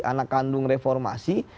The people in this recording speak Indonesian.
anak kandung reformasi